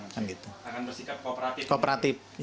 akan bersikap kooperatif